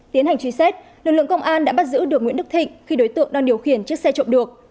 tiến hành truy xét lực lượng công an đã bắt giữ được nguyễn đức thịnh khi đối tượng đang điều khiển chiếc xe trộm được